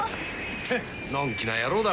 ヘッのんきな野郎だ